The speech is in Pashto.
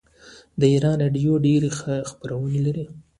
د ایران راډیو ډیرې خپرونې لري.